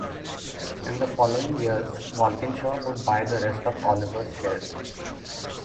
In the following years Walkinshaw would buy the rest of Oliver's shares.